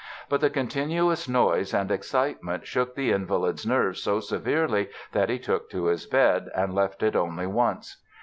But the continuous noise and excitement shook the invalid's nerves so severely that he took to his bed and left it only once.